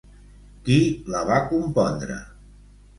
Qui la va compondre?